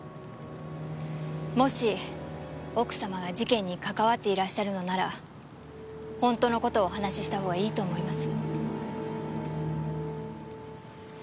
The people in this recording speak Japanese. もし奥様が事件にかかわっていらっしゃるのなら本当の事をお話しした方がいいと思います。